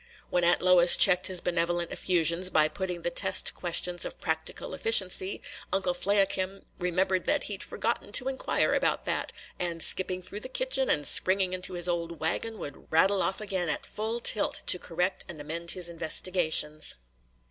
When Aunt Lois checked his benevolent effusions by putting the test questions of practical efficiency, Uncle Fliakim remembered that he 'd "forgotten to inquire about that," and skipping through the kitchen, and springing into his old wagon, would rattle off again on at full tilt to correct and amend his investigations.